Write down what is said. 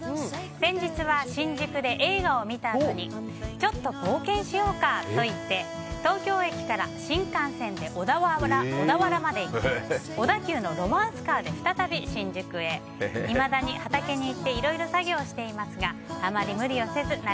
先日は、新宿で映画を見たあとにちょっと冒険しようかと言って東京駅から新幹線で小田原まで行き小田急のロマンスカーで新しいリセッシューは！広く消臭するだけじゃない！